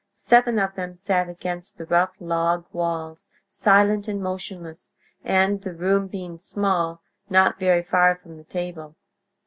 Seven of them sat against the rough log walls, silent and motionless, and, the room being small, not very far from the table.